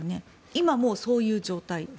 今、もうそういう状態。